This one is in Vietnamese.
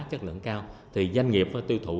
chất lượng cao thì doanh nghiệp và tiêu thụ